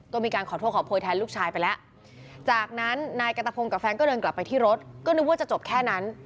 ก็มีการขอโทษขอโพยแทนลูกชายไปแล้วจากนั้นนายกัณฑพงศ์กับแฟนก็เดินกลับไปที่รถก็นึกว่าจะจบแค่นั้น